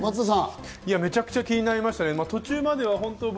めちゃくちゃ気になりましたね、途中までは。